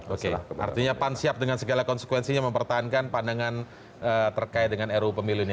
oke artinya pan siap dengan segala konsekuensinya mempertahankan pandangan terkait dengan ruu pemilu ini